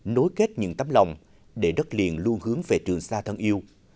nối kết những tấm lòng để đất liền luôn hướng về trường sa thân yêu